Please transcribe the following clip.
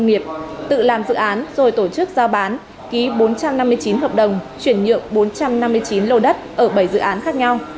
các bị cáo đã tự làm dự án rồi tổ chức giao bán ký bốn trăm năm mươi chín hợp đồng chuyển nhượng bốn trăm năm mươi chín lô đất ở bảy dự án khác nhau